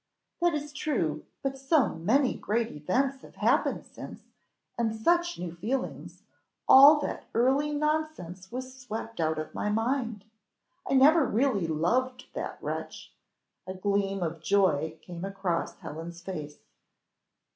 "That is true, but so many great events have happened since, and such new feelings, all that early nonsense was swept out of my mind. I never really loved that wretch " A gleam of joy came across Helen's face.